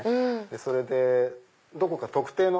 それでどこか特定の。